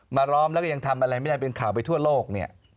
ล้อมแล้วก็ยังทำอะไรไม่ได้เป็นข่าวไปทั่วโลกเนี่ย